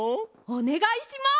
おねがいします。